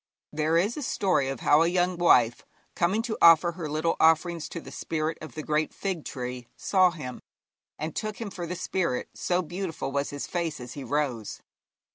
There is a story of how a young wife, coming to offer her little offerings to the spirit of the great fig tree, saw him, and took him for the spirit, so beautiful was his face as he rose.